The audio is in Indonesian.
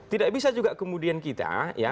tidak bisa juga kemudian kita